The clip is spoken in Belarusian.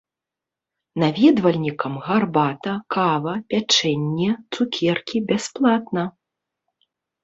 Наведвальнікам гарбата, кава, пячэнне, цукеркі бясплатна.